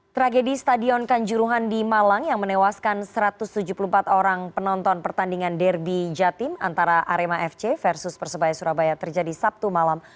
tragedi stadion kanjuruhan di malang yang menewaskan satu ratus tujuh puluh empat orang penonton pertandingan derby jatim antara arema fc versus persebaya surabaya terjadi sabtu malam